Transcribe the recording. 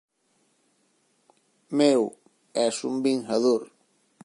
Meu, es un Vingador.